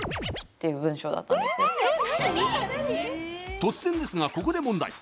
突然ですが、ここで問題。